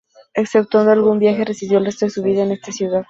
Exceptuando algún viaje, residió el resto de su vida en esa ciudad.